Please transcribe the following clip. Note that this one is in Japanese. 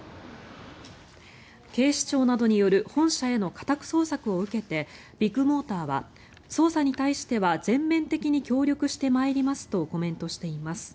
警視庁などによる本社への家宅捜索を受けてビッグモーターは捜査に対しては全面的に協力してまいりますとコメントしています。